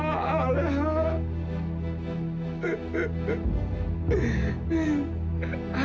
hanya dengan leha nyi gelis